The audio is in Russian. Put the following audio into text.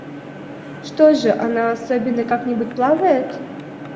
Что же, она особенно как-нибудь плавает?